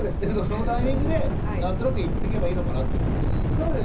そのタイミングで何となく言っていけばいいのかなという感じですね。